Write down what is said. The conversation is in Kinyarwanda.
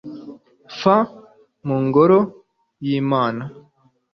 f mu ngoro y'imana